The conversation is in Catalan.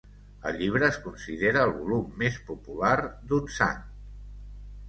El llibre es considera el volum més popular d'un sant.